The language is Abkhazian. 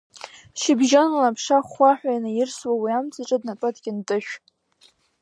Шьыбжьонла, аԥша ахәхәаҳәа инаирсуа, уи амҵаҿы днатәоит Кьынтышә.